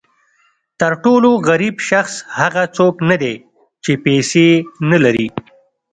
تر ټولو غریب شخص هغه څوک نه دی چې پیسې نه لري.